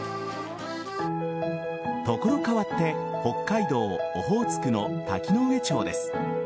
所変わって、北海道オホーツクの滝上町です。